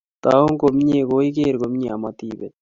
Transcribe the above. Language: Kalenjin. Tau komnye ko iker komnye ama ti bet